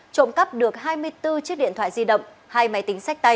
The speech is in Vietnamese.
trộm cắp được hai mươi bốn chiếc điện thoại di động hai máy tính sách tay